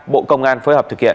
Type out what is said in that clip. bộ công an phối hợp thực hiện